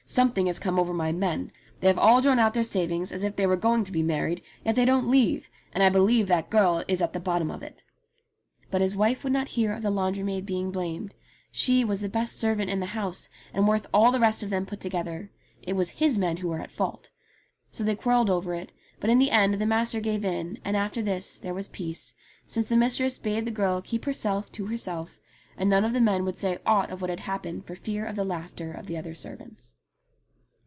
Something has come over my men. They have all drawn out their savings as if they were going to be married, yet they don't leave, and I believe that girl is at the bottom of it." But his wife would not hear of the laundry maid being blamed ; she was the best servant in the house, and worth all the rest of them put together ; it was his men who were at fault. So they quarrelled over it ; but in the end the master gave in, and after this there was peace, since the mistress bade the girl keep herself to herself, and none of the men would say ought of what had happened for fear of the laughter of the other servants.